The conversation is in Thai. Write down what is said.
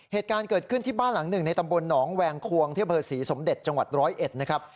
เหตุการณ์เกิดขึ้นที่บ้านหลังหนึ่งในตำบลหนองแวงควงที่อำเภอศรีสมเด็จจังหวัดร้อยเอ็ดนะครับ